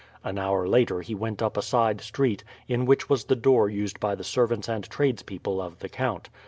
An hour later he went up a side street, in which was the door used by the servants and tradespeople of the count.